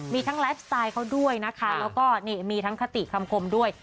มีทั้งไลฟ์สไตล์เขาด้วยนะคะแล้วก็นี่มีทั้งคติคำคมด้วย